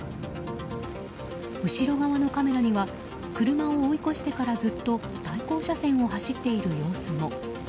後ろ側のカメラには車を追い越してから、ずっと対向車線を走っている様子も。